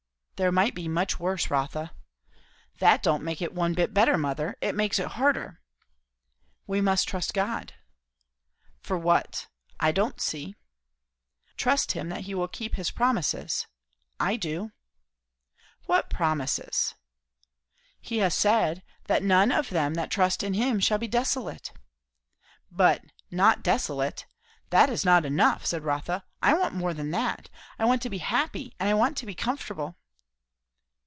"There might be much worse, Rotha." "That don't make this one bit better, mother. It makes it harder." "We must trust God." "For what? I don't see." "Trust him, that he will keep his promises. I do." "What promises?" "He has said, that none of them that trust in him shall be desolate." "But 'not desolate'! That is not enough," said. Rotha. "I want more than that. I want to be happy; and I want to be comfortable."